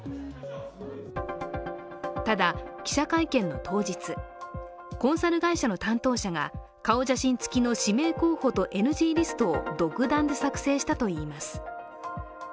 ただ、記者会見の当日コンサル会社の担当者が、顔写真つきの指名候補とＮＧリストを独断で作成したといいます。